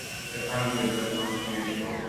আনন্দের জন্য অংশ নিয়েছে ও।